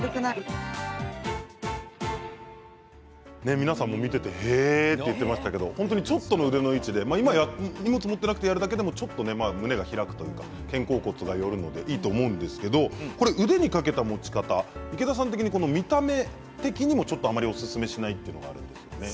皆さんも見ていてへえと言っていましたけれどもちょっとした腕の位置で荷物を持っていなくてもやってみると胸が開くというか肩甲骨が寄るので、いいと思うんですが腕にかけた持ち方池田さん的には見た目的にもおすすめしないそうですね。